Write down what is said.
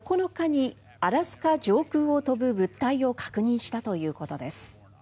アメリカ政府によりますと９日にアラスカ上空を飛ぶ物体を確認したということです。